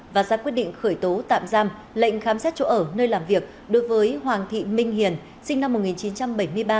và ra quyết định khởi tố tạm giam lệnh khám xét chỗ ở nơi làm việc đối với hoàng thị minh hiền sinh năm một nghìn chín trăm bảy mươi ba